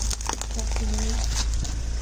Ceacht a naoi